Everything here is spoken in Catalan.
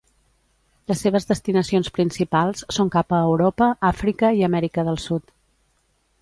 Les seves destinacions principals són cap a Europa, Àfrica i Amèrica del Sud.